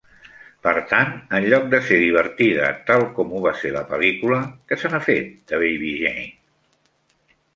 Per tant, en lloc de ser divertida, tal com ho va ser la pel·lícula Què se n'ha fet, de Baby Jane?